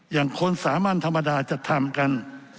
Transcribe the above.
อย่างคนสามัญธรรมดาจะทำกัน